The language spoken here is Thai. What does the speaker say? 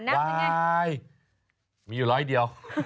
วายมีอยู่ร้อยเดียว